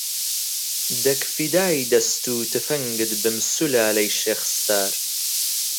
دەک فیدای دەست و تفەنگت بم سولالەی شێخ ستار